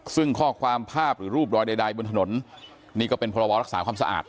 ซึ่งข้อความภาพหรือรูปรอยใดบนถนนนี่ก็เป็นพรบรักษาความสะอาด